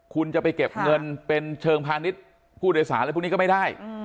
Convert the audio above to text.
คุณจะไปเก็บเงินเป็นเชิงพาณิชย์ผู้โดยสารอะไรพวกนี้ก็ไม่ได้